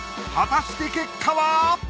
果たして結果は！？